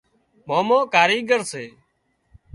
مامو ڪايڳر سي